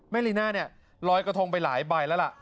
ลีน่าเนี่ยลอยกระทงไปหลายใบแล้วล่ะ